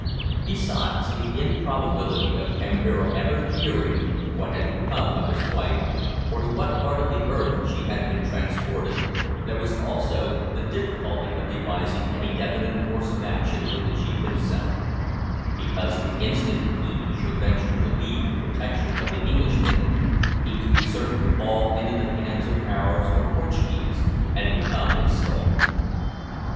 Besides the improbability of Kambira ever hearing what had become of his wife, or to what part of the earth she had been transported, there was also the difficulty of devising any definite course of action for the chief himself, because the instant he should venture to leave the protection of the Englishmen he would be certain to fall into the hands of Arabs or Portuguese, and become enslaved.